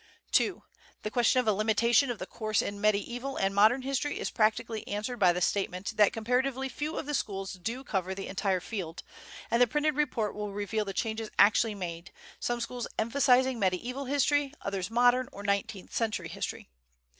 "2. The question of a limitation of the course in medieval and modern history is practically answered by the statement that comparatively few of the schools do cover the entire field, and the printed report will reveal the changes actually made, some schools emphasizing medieval history, others modern or nineteenth century history.